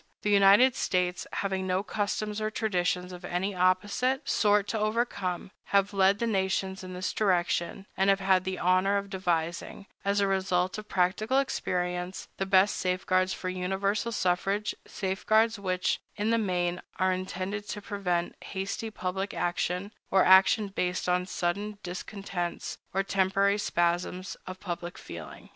The United States, having no customs or traditions of an opposite sort to overcome, have led the nations in this direction, and have had the honor of devising, as a result of practical experience, the best safeguards for universal suffrage, safeguards which, in the main, are intended to prevent hasty public action, or action based on sudden discontents or temporary spasms of public feeling.